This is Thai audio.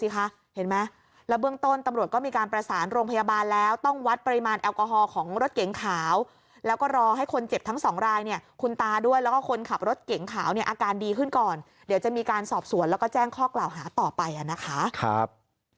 คนเจ็บทั้งสองรายเนี้ยคุณตาด้วยแล้วก็คนขับรถเก่งขาวเนี้ยอาการดีขึ้นก่อนเดี๋ยวจะมีการสอบสวนแล้วก็แจ้งข้อกล่าวหาต่อไปอะนะคะครับ